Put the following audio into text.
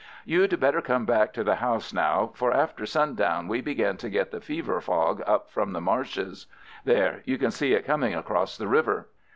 You'd better come back to the house now, for after sundown we begin to get the fever fog up from the marshes. There, you can see it coming across the river."